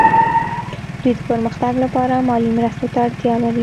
دوی د پرمختګ لپاره مالي مرستو ته اړتیا لري